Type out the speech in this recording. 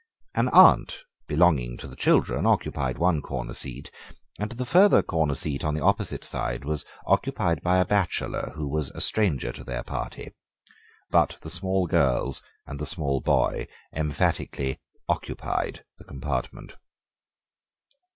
An aunt belonging to the children occupied one corner seat, and the further corner seat on the opposite side was occupied by a bachelor who was a stranger to their party, but the small girls and the small boy emphatically occupied the compartment.